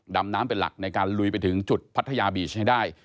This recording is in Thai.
ดำน้ำเป็นหลักในการลุยไปถึงจุดพัทยาบีชให้ได้